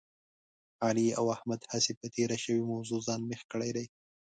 علي او احمد هسې په تېره شوې موضوع ځان مېخ کړی دی.